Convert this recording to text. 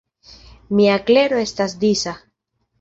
Mia klero estas disa.